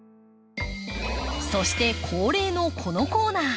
そして恒例のこのコーナー。